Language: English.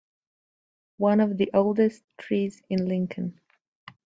One of the oldest trees in Lincoln.